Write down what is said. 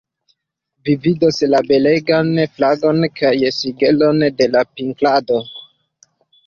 Vi vidos la belajn flagon kaj sigelon de la princlando.